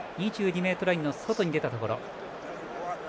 ２２ｍラインの外に出たところ。